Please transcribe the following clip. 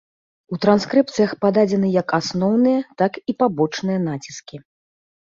У транскрыпцыях пададзены як асноўныя, так і пабочныя націскі.